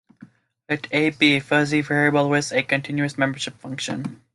Let "A" be a fuzzy variable with a continuous membership function.